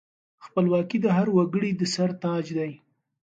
خپلواکي د هر وګړي د سر تاج دی.